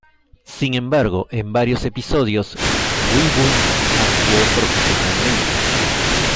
Sin embargo en varios episodios, Wiggum actuó profesionalmente.